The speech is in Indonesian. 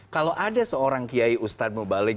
kalau ada seorang kiai ustadz mubalik